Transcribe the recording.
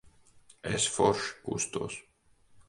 Es forši kustos.